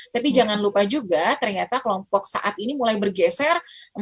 tapi jangan lupa juga ternyata kelompok saat ini mulai bergeser